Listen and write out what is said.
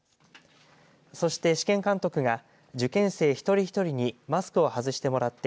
そして、試験監督が受験生一人一人にマスクを外してもらって